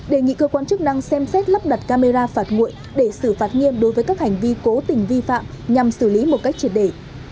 đề nghị cơ quan chức năng xem xét lắp đặt camera phạt nguội để xử phạt nghiêm đối với các hành vi cố tình vi phạm nhằm xử lý một cách triệt đề